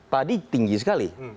tadi tinggi sekali